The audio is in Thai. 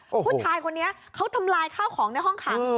ผู้ชายคนนี้เขาทำลายข้าวของในห้องขัง